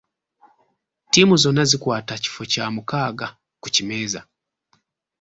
Tiimu zonna zikwata kifo kya mukaga ku kimeeza.